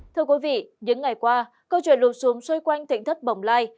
thưa quý vị những ngày qua câu chuyện lụt xuống xoay quanh thịnh thất bồng lai